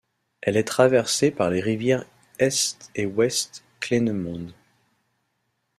Elle est traversée par les rivières East et West Kleinemonde.